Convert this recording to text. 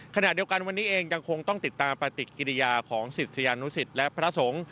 ขณะเดียวกันวันนี้เองยังคงต้องติดตามปฏิกิริยาของศิษยานุสิตและพระสงฆ์